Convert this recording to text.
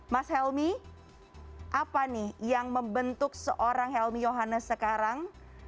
mas helmy apa nih yang membentuk seorang helmy yohanes sekarang